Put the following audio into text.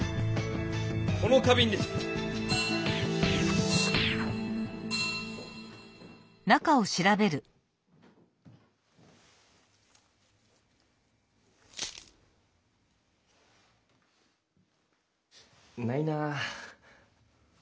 この花びんです！ないなぁ。